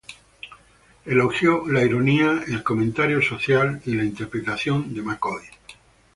Elogió la ironía, el comentario social y la interpretación de McCoy.